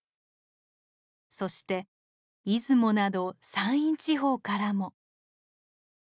そして出雲など山陰地方からも。